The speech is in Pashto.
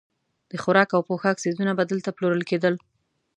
د خوراک او پوښاک څیزونه به دلته پلورل کېدل.